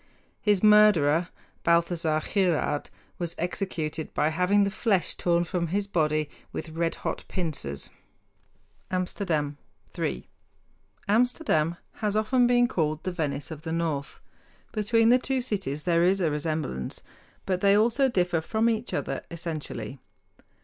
His murderer, Balthazar Gerard, was executed by having the flesh torn from his body with redhot pincers. [Illustration: STREET SCENE, AMSTERDAM] HOLLAND Amsterdam THREE Amsterdam has often been called "The Venice of the North." Between the two cities there is a resemblance; but they also differ from each other essentially.